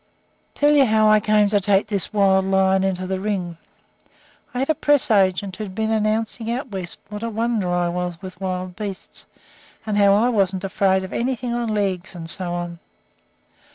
"Tell you how I came to take this wild lion into the ring. I had a press agent who had been announcing out West what a wonder I was with wild beasts, and how I wasn't afraid of anything on legs, and so on.